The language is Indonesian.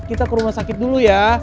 kita ke rumah sakit dulu ya